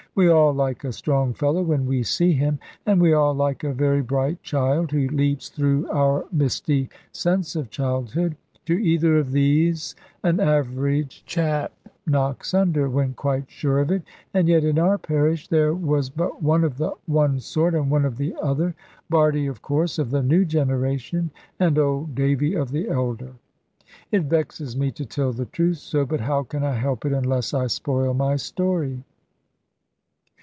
We all like a strong fellow when we see him; and we all like a very bright child, who leaps through our misty sense of childhood. To either of these an average chap knocks under, when quite sure of it. And yet, in our parish, there was but one of the one sort, and one of the other. Bardie, of course, of the new generation; and old Davy of the elder. It vexes me to tell the truth so. But how can I help it, unless I spoil my story?